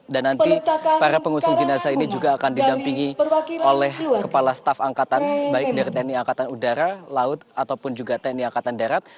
dan nanti para pengusung jenazah ini juga akan didampingi oleh kepala staf angkatan baik dari tni angkatan udara laut ataupun juga tni angkatan darat